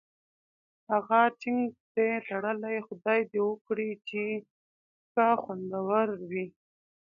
ښه ټینګ پرې تړلی، خدای دې وکړي چې ښه خوندور وي.